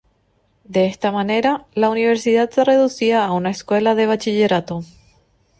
De esta manera la universidad se reducía a una escuela de bachillerato.